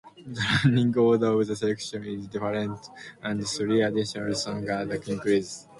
The running order of the selections is different and three additional songs are included.